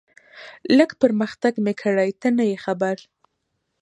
لږ پرمختګ مې کړی، ته نه یې خبر.